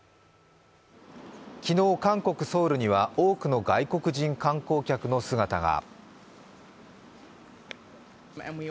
昨日、韓国・ソウルには多くの外国人観光客の姿が。